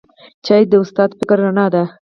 چای د استاد د فکر رڼا ده